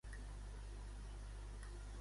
JxCat no es posa d'acord en com actuar.